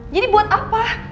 jadi buat apa